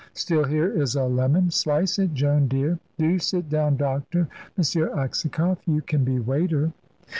Still, here is a lemon; slice it, Joan, dear. Do sit down, doctor. M. Aksakoff, you can be waiter."